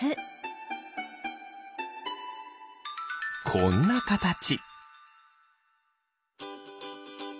こんなかたち。